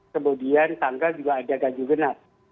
kemudian tanggal juga ada ganjil genap